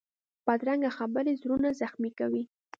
بدرنګه خبرې زړونه زخمي کوي